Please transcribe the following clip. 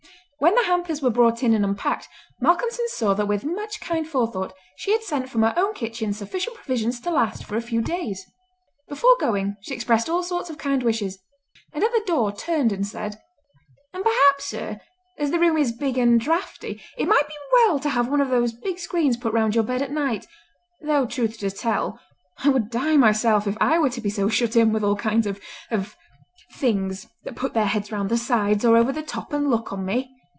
When the hampers were brought in and unpacked, Malcolmson saw that with much kind forethought she had sent from her own kitchen sufficient provisions to last for a few days. Before going she expressed all sorts of kind wishes; and at the door turned and said: "And perhaps, sir, as the room is big and draughty it might be well to have one of those big screens put round your bed at night—though, truth to tell, I would die myself if I were to be so shut in with all kinds of—of 'things', that put their heads round the sides, or over the top, and look on me!"